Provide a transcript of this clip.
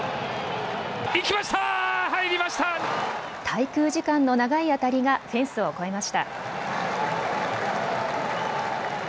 滞空時間の長い当たりがフェンスを越えました。